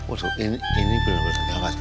udah ini ini berapa ini